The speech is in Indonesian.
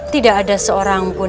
tidak ada seorang pun